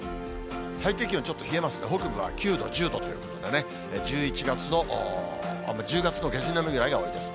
最低気温、ちょっと冷えますが、北部は９度、１０度ということでね、１１月の、１０月の下旬並みぐらいが多いです。